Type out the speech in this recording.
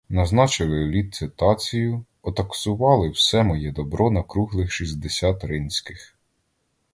Назначили ліцитацію, отаксували все моє добро на круглих шістдесят ринських.